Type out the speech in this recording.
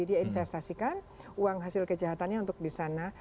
dia investasikan uang hasil kejahatannya untuk disana